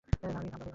না, আমিই ভাঙবো।